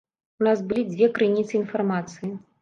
У нас былі дзве крыніцы інфармацыі.